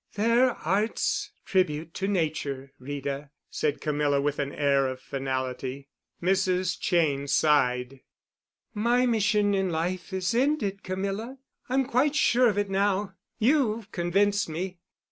"They're Art's tribute to Nature, Rita," said Camilla with an air of finality. Mrs. Cheyne sighed. "My mission in life is ended, Camilla. I'm quite sure of it now. You've convinced me.